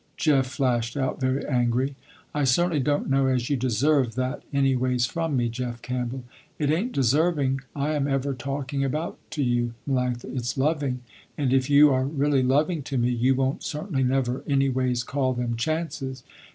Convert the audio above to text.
Jeff flashed out very angry. "I certainly don't know as you deserve that anyways from me, Jeff Campbell." "It ain't deserving, I am ever talking about to you Melanctha. Its loving, and if you are really loving to me you won't certainly never any ways call them chances."